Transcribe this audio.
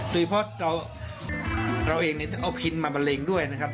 โดยเฉพาะเราเองเอาพินมาบันเลงด้วยนะครับ